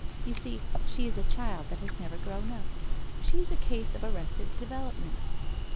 You see, she is a child that has never grown up. She's a case of arrested development.